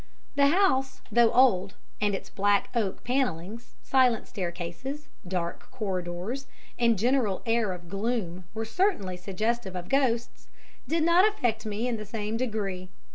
The house, though old and its black oak panellings, silent staircases, dark corridors, and general air of gloom were certainly suggestive of ghosts did not affect me in the same degree.